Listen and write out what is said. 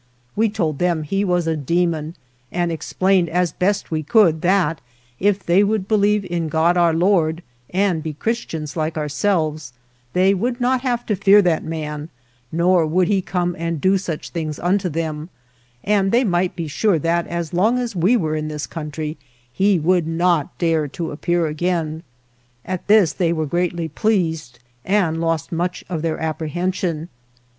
We told them he was a demon and explained as best we could that if they would believe in God, Our Lord, and be Christians like ourselves, they would not have to fear that man, nor would he come and do such things unto them, and they might be sure that as long as we were in this country he would not dare to appear again. At this they were greatly pleased and lost much of their apprehension.